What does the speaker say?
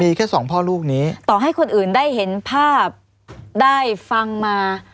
มีแค่สองพ่อลูกนี้ต่อให้คนอื่นได้เห็นภาพได้ฟังมา